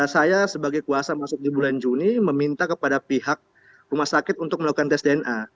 saya sebagai kuasa masuk di bulan juni meminta kepada pihak rumah sakit untuk melakukan tes dna